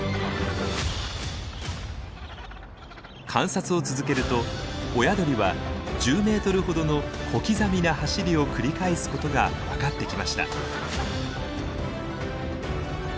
観察を続けると親鳥は１０メートルほどの小刻みな走りを繰り返すことが分かってきました。